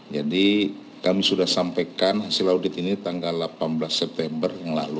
jadi kami sudah sampaikan hasil audit ini tanggal delapan belas september